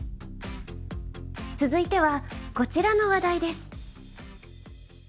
続いてはこちらの話題です。